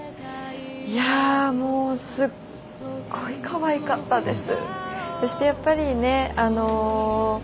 いやもうすっごいカワイかったです。